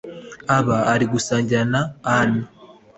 aba ari gusangira na ani